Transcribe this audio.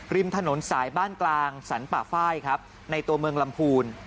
ริมถนนสายบ้านกลางสรรป่าไฟครับในตัวเมืองลำพูน